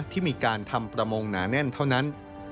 ที่มีการทำประมงหนาแน่นเท่านั้น